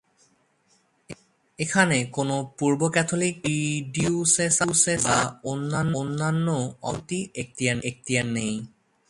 এখানে কোন পূর্ব ক্যাথলিক, প্রি-ডিওসেসান বা অন্যান্য অব্যাহতি এখতিয়ার নেই।